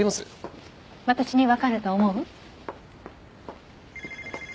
私にわかると思う？